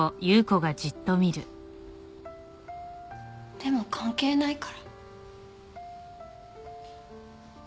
でも関係ないから。